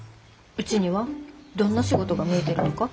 うちにはどんな仕事が向いてるのか。